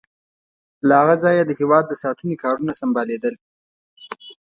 له هغه ځایه د هېواد د ساتنې کارونه سمبالیدل.